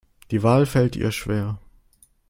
Die Wahl fällt ihr schwer.